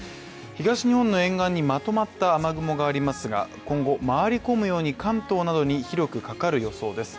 東日本の沿岸にまとまった雨雲がありますが今後、回り込むように関東などに広くかかる予想です。